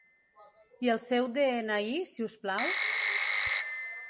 I el seu de-ena-i si us plau?